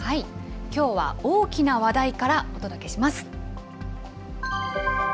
きょうは大きな話題からお届けします。